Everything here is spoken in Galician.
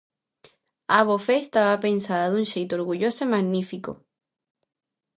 Abofé estaba pensada dun xeito orgulloso e magnífico.